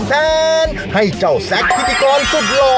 แทนให้เจ้าแซคพิธีกรสุดหล่อ